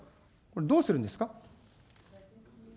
どうするんですか。